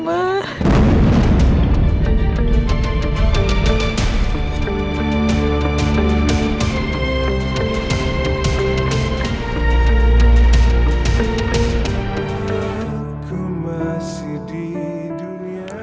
aku masih di dunia